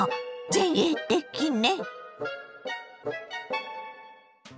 前衛的ね。